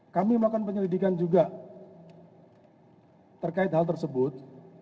kami melakukan penyelidikan juga terkait hal tersebut